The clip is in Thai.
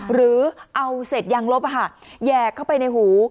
หรือเอาเศษยางลบแหย่เข้าไปในหู